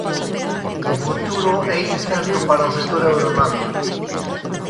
O futuro é incerto para o sector aeronáutico.